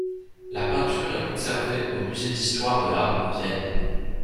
La peinture est conservée au musée d'histoire de l'art de Vienne.